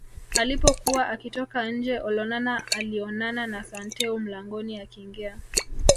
Alipokuwa akitoka nje Olonana alionana na Santeu mlangoni akiingia